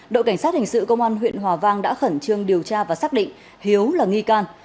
đội cảnh sát hình sự công an huyện hòa vang đã khẩn trương điều tra và xác định hiếu là nghi can